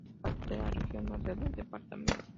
Es parte de la región norte del departamento.